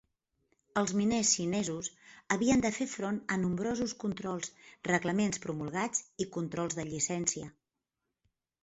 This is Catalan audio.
Els miners xinesos havien de fer front a nombrosos controls, reglaments promulgats i controls de llicència.